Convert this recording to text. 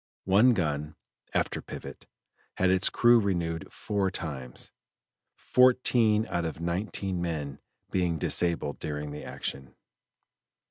One gun (after pivot) had its crew renewed four times, fourteen out of nineteen men being disabled during the action.